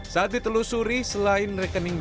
saat ditelusuri selain rekeningan